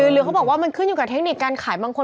หรือเขาบอกว่ามันขึ้นอยู่กับเทคนิคการขายบางคน